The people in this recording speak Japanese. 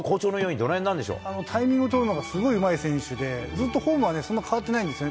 タイミングを取るのがすごいうまい選手で、ずっとフォームはそんな変わってないんですよね。